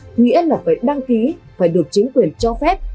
có nghĩa là phải đăng ký phải được chính quyền cho phép